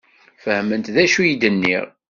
Fehment d acu i d-nniɣ?